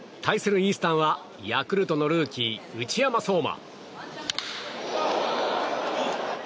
イースタンはヤクルトのルーキー、内山壮真。